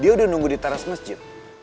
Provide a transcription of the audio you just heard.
dia udah nunggu di teras masjid